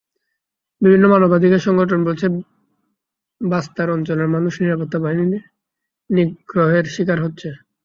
বিভিন্ন মানবাধিকার সংগঠন বলছে, বাস্তার অঞ্চলের মানুষ নিরাপত্তা বাহিনীর নিগ্রহের শিকার হচ্ছে।